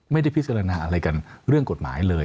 ไม่ได้พิจารณาอะไรกันเรื่องกฎหมายเลย